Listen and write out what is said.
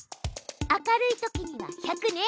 明るいときには「１００」ね。